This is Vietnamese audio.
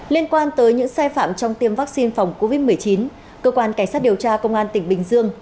liên quan tới những sai phạm trong tiêm vaccine phòng covid một mươi chín cơ quan cảnh sát điều tra công an tỉnh bình dương